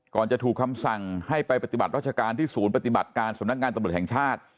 จะถูกคำสั่งให้ไปปฏิบัติราชการที่ศูนย์ปฏิบัติการสำนักงานตำรวจแห่งชาติ